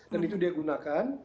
dan itu dia gunakan